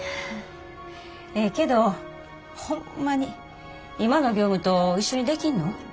ええけどホンマに今の業務と一緒にできんの？